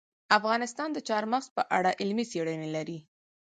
افغانستان د چار مغز په اړه علمي څېړنې لري.